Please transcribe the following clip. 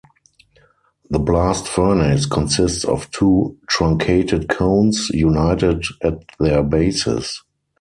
The blast furnace consists of two truncated cones, united at their bases.